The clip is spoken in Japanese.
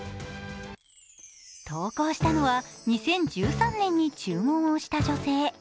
投稿したのは、２０１３年に注文をした女性。